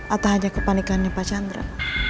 atau hanya kepanikannya pak chandra